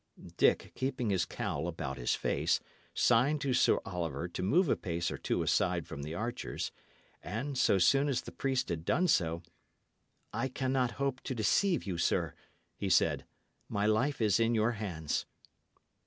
Dick, keeping his cowl about his face, signed to Sir Oliver to move a pace or two aside from the archers; and, so soon as the priest had done so, "I cannot hope to deceive you, sir," he said. "My life is in your hands."